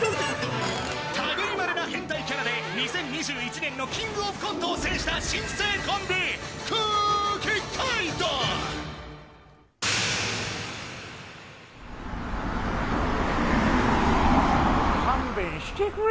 たぐいまれな変態キャラで２０２１年のキングオブコントを制した新星コンビ、空気階段。